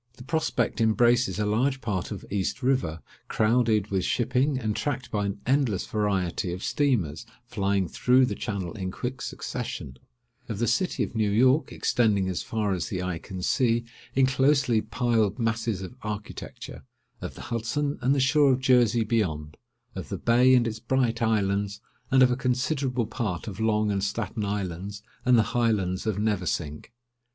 The prospect embraces a large part of East River, crowded with shipping, and tracked by an endless variety of steamers, flying through the channel in quick succession; of the city of New York, extending, as far as the eye can see, in closely piled masses of architecture; of the Hudson, and the shore of Jersey, beyond; of the bay and its bright islands, and of a considerable part of Long and Staten Islands, and the Highlands of Neversink.